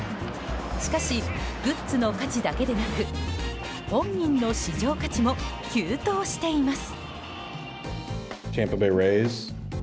しかし、グッズの価値だけでなく本人の市場価値も急騰しています。